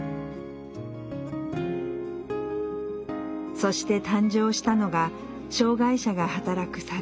そして誕生したのが障害者が働く作業所